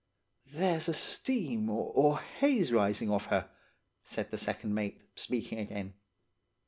"'There's a steam or haze rising off her,' said the second mate, speaking again.